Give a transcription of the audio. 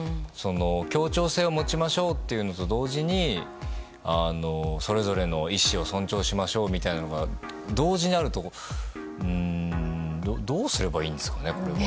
協調性を持ちましょうというのと同時にそれぞれの意思を尊重しましょうみたいなのが同時にあるとどうすればいいんですかねこれは。